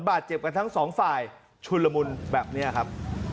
บาดเจ็บกันทั้งสองฝ่ายชุนละมุนแบบนี้ครับ